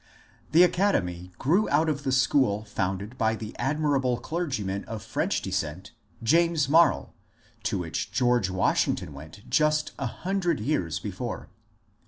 The academy grew out of the school founded by the admirable clergyman of French descent, James Marye, to which George Washington went just a hundred years before.